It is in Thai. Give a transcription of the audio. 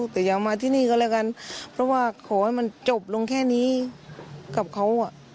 แต่อย่ามาที่นี่ก็แล้วกันเพราะว่าขอให้มันจบลงแค่นี้กับเขา